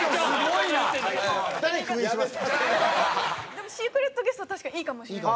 でもシークレットゲストは確かにいいかもしれない。